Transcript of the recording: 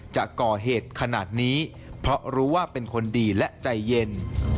จะก่อเหตุขนาดนี้เพราะรู้ว่าเป็นคนดีและใจเย็น